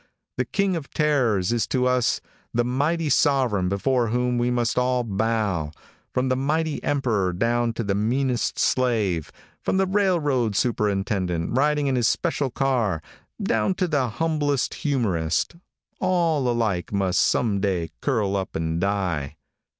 The King of Terrors is to us the mighty sovereign before whom we must all bow, from the mighty emperor down to the meanest slave, from the railroad superintendent, riding in his special car, down to the humblest humorist, all alike must some day curl up and die.